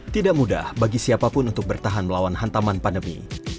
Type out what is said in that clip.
tidak mudah bagi siapapun untuk bertahan melawan hantaman pandemi